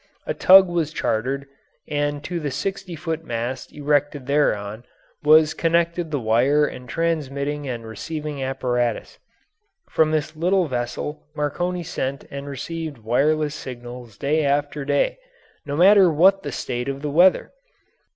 A tug was chartered, and to the sixty foot mast erected thereon was connected the wire and transmitting and receiving apparatus. From this little vessel Marconi sent and received wireless signals day after day, no matter what the state of the weather.